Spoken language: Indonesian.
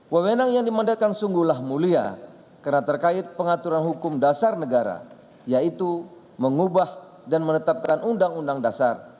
wewenang yang dimandatkan sungguhlah mulia karena terkait pengaturan hukum dasar negara yaitu mengubah dan menetapkan undang undang dasar